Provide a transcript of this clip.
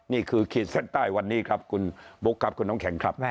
ขีดเส้นใต้วันนี้ครับคุณบุ๊คครับคุณน้ำแข็งครับ